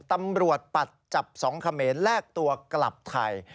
ตำรวจปัดจับสองแขมเม้แลกตัวกลับไทย